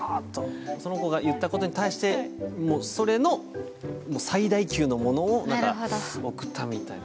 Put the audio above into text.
その子が言ったことに対してそれの最大級のものを贈ったみたいな。